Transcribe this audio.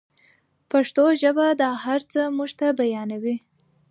پښتو ژبه دا هر څه موږ ته بیانوي.